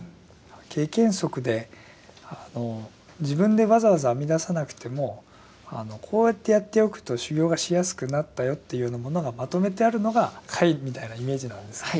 経験則で自分でわざわざ編み出さなくてもこうやってやっておくと修行がしやすくなったよっていうようなものがまとめてあるのが「戒」みたいなイメージなんですね。